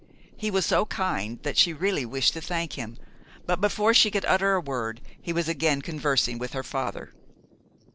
He was so kind that she really wished to thank him; but before she could utter a word he was again conversing with her father.